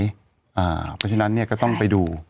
เพราะฉะนั้นก็ต้องไปดู